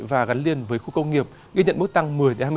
và gắn liền với khu công nghiệp ghi nhận mức tăng một mươi hai mươi